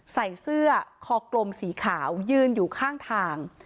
ใส่เสื้อคอกลมสีขาวยืนอยู่ข้างทาง